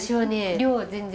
量は全然。